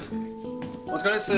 お疲れっす。